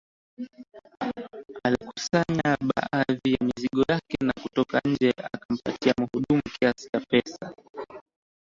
Alikusanya baadhi ya mizigo yake na kutoka nje akampatia muhudumu kiasi cha pesa